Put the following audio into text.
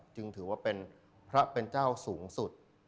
จึงถือว่าเป็นพระเป็นเจ้าสูงสุด